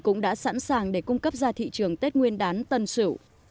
cũng đã sẵn sàng để cung cấp ra thị trường tết nguyên đán tân sự